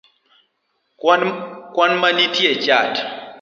kwan manitie e chat?